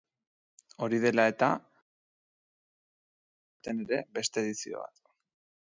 Hori dela eta, martxan ipini genuen aurten ere beste edizio bat.